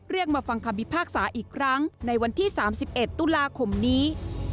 เรียกมาฟังคำวิภาคศาสตร์อีกครั้งในวันที่๓๑ตุลาคมนี้